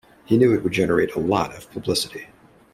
He knew it would generate a lot of publicity.